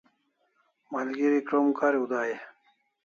Malgeri krom kariu dai e?